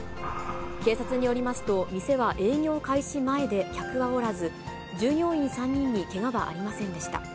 警察によりますと、店は営業開始前で、客はおらず、従業員３人にけがはありませんでした。